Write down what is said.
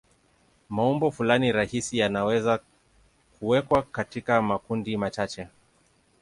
Maumbo fulani rahisi yanaweza kuwekwa katika makundi machache.